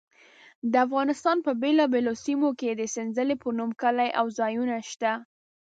د افغانستان په بېلابېلو سیمو کې د سنځلې په نوم کلي او ځایونه شته.